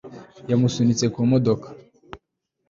yamusunitse ku modoka